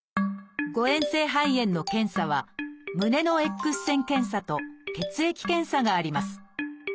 誤えん性肺炎の検査は胸のＸ線検査と血液検査があります。